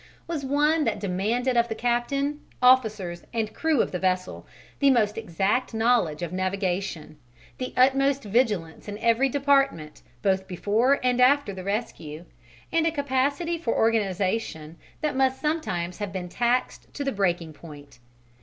was one that demanded of the captain, officers and crew of the vessel the most exact knowledge of navigation, the utmost vigilance in every department both before and after the rescue, and a capacity for organization that must sometimes have been taxed to the breaking point.